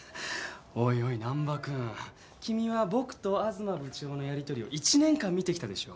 おいおい難破君君は僕と東部長のやりとりを１年間見てきたでしょ。